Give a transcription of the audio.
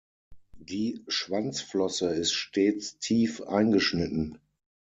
Die Schwanzflosse ist stets tief eingeschnitten.